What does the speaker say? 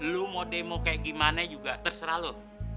lu mau demo kayak gimana juga terserah lo